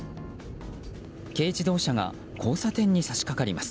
軽自動車が交差点に差し掛かります。